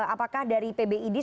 apakah dari pbi